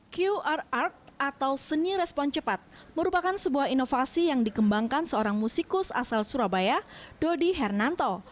qr atau seni respon cepat merupakan sebuah inovasi yang dikembangkan seorang musikus asal surabaya dodi hernanto